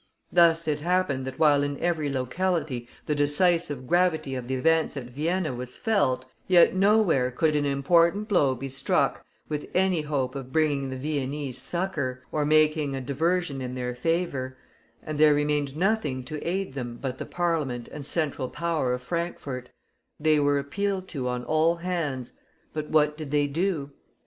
Thus it happened that while in every locality the decisive gravity of the events at Vienna was felt, yet nowhere could an important blow be struck with any hope of bringing the Viennese succor, or making a diversion in their favor; and there remained nothing to aid them but the Parliament and Central Power of Frankfort; they were appealed to on all hands; but what did they do?